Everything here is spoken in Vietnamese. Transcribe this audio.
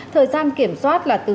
thời gian kiểm soát là từ